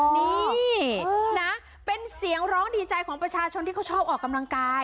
นี่นะเป็นเสียงร้องดีใจของประชาชนที่เขาชอบออกกำลังกาย